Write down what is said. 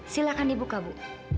silakan dibuka bu